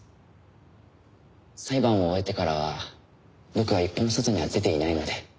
裁判を終えてからは僕は一歩も外には出ていないので。